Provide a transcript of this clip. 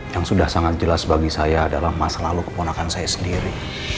yang sudah sangat jelas bagi saya dalam masa lalu keponakan saya sendiri